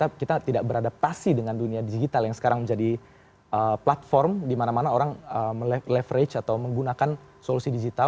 karena kita tidak beradaptasi dengan dunia digital yang sekarang menjadi platform dimana mana orang leverage atau menggunakan solusi digital